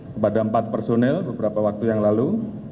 kepada empat personel beberapa waktu yang lalu